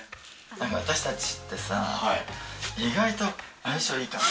私たちって意外と相性いいかも。